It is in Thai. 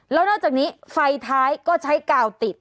แล้วนอกจากนี้ไฟท้ายก็ใช้กาวติด